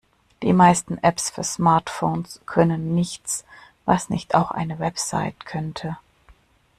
Die meisten Apps für Smartphones können nichts, was nicht auch eine Website könnte.